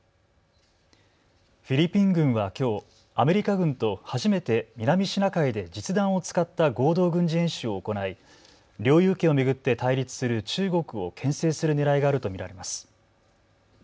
フィリピン軍はきょうアメリカ軍と初めて南シナ海で実弾を使った合同軍事演習を行い領有権を巡って対立する中国をけん制するねらいがあると見られます。